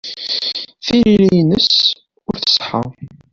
Tiririt-nnes ur tṣeḥḥa.